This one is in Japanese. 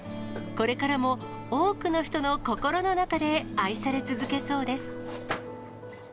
これからも多くの人の心の中で愛され続けそうです。